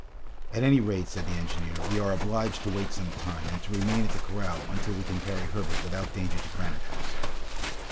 "At any rate," said the engineer, "we are obliged to wait some time, and to remain at the corral until we can carry Herbert without danger to Granite House."